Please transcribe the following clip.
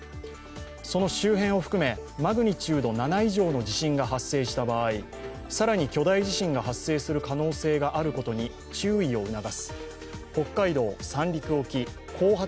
その周辺を含めマグニチュード７以上の地震が発生した場合更に巨大地震が発生する可能性があることに注意を促す北海道・三陸沖後発